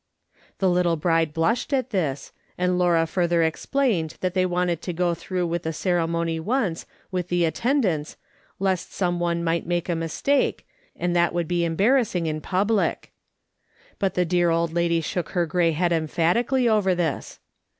The little bride blushed at this, and Laura further explained that they wanted to go through with the ceremony once, with the attendants, lest some one might make a mistake, and that would be embarrass 104 ^^^S. SOLOMON SMITH LOOKING ON. ing in public. But the dear old lady shook her grey head emphatically over this.